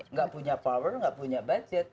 nggak punya power nggak punya budget